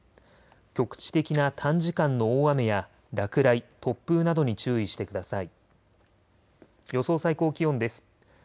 局地的な短時間の大雨や落雷、突風などに注意してください。